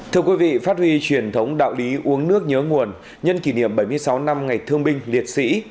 thưa quý vị phát huy truyền thống đạo lý uống nước nhớ nguồn nhân kỷ niệm bảy mươi sáu năm ngày thương binh liệt sĩ